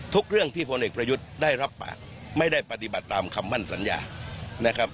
เรื่องที่พลเอกประยุทธ์ได้รับปากไม่ได้ปฏิบัติตามคำมั่นสัญญานะครับ